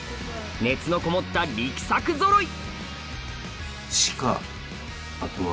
熱のこもった力作ぞろい！